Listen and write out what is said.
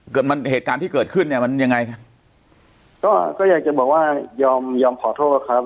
เกิดมันเหตุการณ์ที่เกิดขึ้นเนี่ยมันยังไงก็ก็อยากจะบอกว่ายอมยอมขอโทษครับ